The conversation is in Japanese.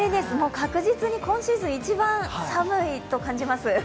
確実に今シーズン一番寒いと感じます。